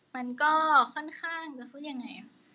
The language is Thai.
มันก็ค่อนข้างจะพูดยังไง